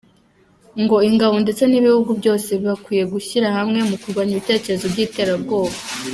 Ngo ingabo ndetse n’ibihugu byose bakwiye gushyiramwe mu kurwanya ibitekerezo by’iterabwoba.